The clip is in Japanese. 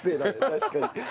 確かに。